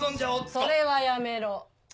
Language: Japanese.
それはやめろ。